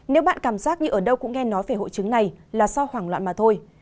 nếu bạn cảm giác như ở đâu cũng nghe nói về hội chứng này là do hoảng loạn mà thôi